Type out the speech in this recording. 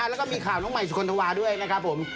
แล้วก็มีข่าวน้องใหม่สุคลธวาด้วยนะครับผม